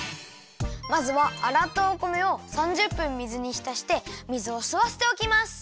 まずはあらったお米を３０分水にひたして水をすわせておきます。